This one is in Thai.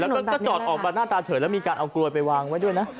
แล้วก็จอดออกมาหน้าตาเฉยแล้วมีการเอากลวยไปวางไว้ด้วยนะ